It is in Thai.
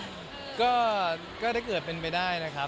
มคเอออเจมส์ก็ได้เกิดเป็นไปได้นะครับ